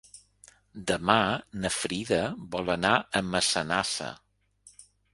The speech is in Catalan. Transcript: Demà na Frida vol anar a Massanassa.